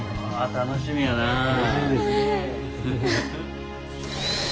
楽しみですね。